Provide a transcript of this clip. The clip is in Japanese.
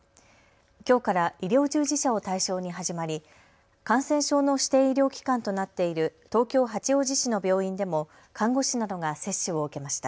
きょうから医療従事者を対象に始まり感染症の指定医療機関となっている東京八王子市の病院でも看護師などが接種を受けました。